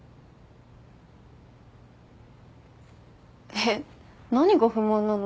えっ何が不満なの？